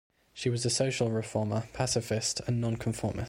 She was a social reformer, pacifist and nonconformist.